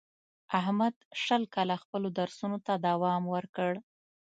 احمد شل کاله خپلو درسونو ته دوام ورکړ.